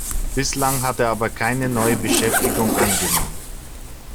Bislang hat er aber keine neue Beschäftigung angenommen.